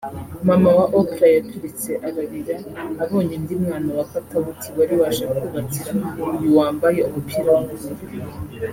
Mama wa Oprah yaturitse ararira abonye undi mwana wa Katauti wari waje kubakira (Uyu wambaye umupira w'ubururu)